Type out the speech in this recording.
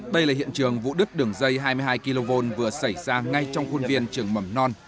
đây là hiện trường vụ đứt đường dây hai mươi hai kv vừa xảy ra ngay trong khuôn viên trường mầm non